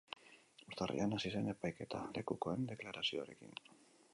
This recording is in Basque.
Urtarrilean hasi zen epaiketa, lekukoen deklarazioarekin.